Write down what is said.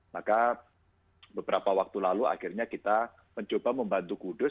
maka beberapa waktu lalu akhirnya kita mencoba membantu kudus